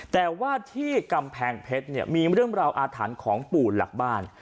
แต่ว่าที่กำแพงเพชรเนี่ยมีเรื่องราวอาถรรพ์ของปู่หลักบ้าน